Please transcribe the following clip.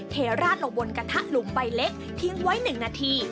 เทราดลงบนกระทะหลุมใบเล็กทิ้งไว้๑นาที